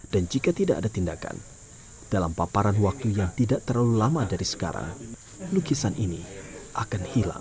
dan jika tidak ada tindakan dalam paparan waktu yang tidak terlalu lama dari sekarang lukisan ini akan hilang